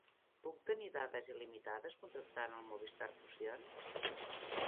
Puc tenir dades il·limitades contractant el Movistar Fusión?